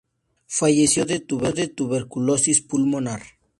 Falleció de tuberculosis pulmonar.